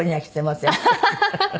ハハハハ！